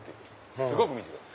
すごく短いです。